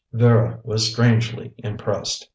'" Vera was strangely impressed.